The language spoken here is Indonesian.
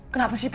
kenapa sih pak